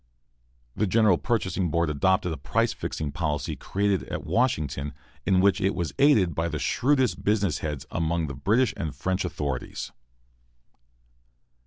The General Purchasing Board adopted the price fixing policy created at Washington, in which it was aided by the shrewdest business heads among the British and French authorities.